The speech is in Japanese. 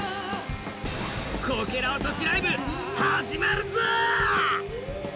こけら落としライブ、始まるぞ！